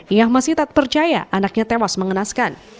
ia masih tak percaya anaknya tewas mengenaskan